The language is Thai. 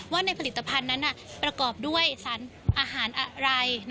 ว่าในผลิตภัณฑ์นั้นประกอบด้วยสารอาหารอะไร